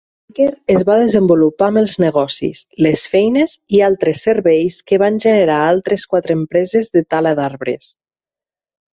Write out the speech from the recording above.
Walker es va desenvolupar amb els negocis, les feines i altres serveis que van generar altres quatre empreses de tala d'arbres.